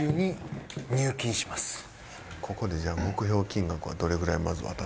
ここでじゃあ目標金額はどれぐらいまず渡す？